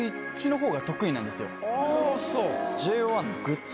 ああそう。